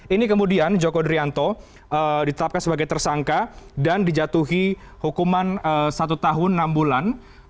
ini kemudian joko drianto ditetapkan sebagai tersangka dan dijatuhi hukuman satu tahun enam bulan